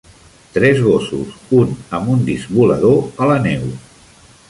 Tres gossos, un amb un disc volador, a la neu.